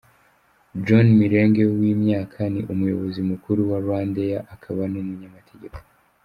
John Milenge, w’imyaka , ni Umuyobozi Mukuru wa Rwandair, akaba ni umunyamategeko.